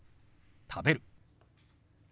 「食べる」。